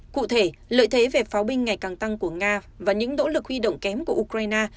cụ thể lợi thế về pháo binh ngày càng tăng của nga và những nỗ lực huy động kém của ukraine